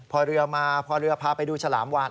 พอเรือมาพอเรือพาไปดูฉลามวาน